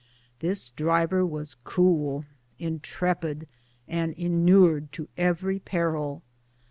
This driver was cool, intrepid, and inured to every peril.